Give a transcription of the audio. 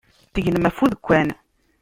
Tegnem ɣef udekkan.